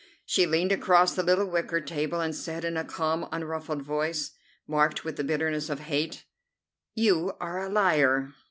She leaned across the little wicker table and said in a calm, unruffled voice, marked with the bitterness of hate: "You are a liar."